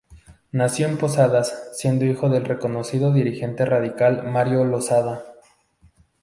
Nació en Posadas, siendo hijo del reconocido dirigente radical Mario Losada.